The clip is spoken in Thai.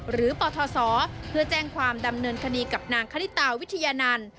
ปทศเพื่อแจ้งความดำเนินคดีกับนางคณิตาวิทยานันต์